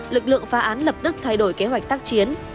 lực lượng phá án lập tức thay đổi kế hoạch tác chiến